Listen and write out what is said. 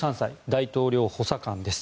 大統領補佐官です。